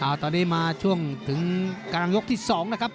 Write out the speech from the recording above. อ้าวตอนนี้มาจุ่งกำลังยกสองนะครับ